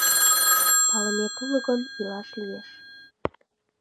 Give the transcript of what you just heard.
Палымет уло гын, илаш лиеш.